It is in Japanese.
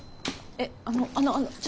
えっあのあのあの。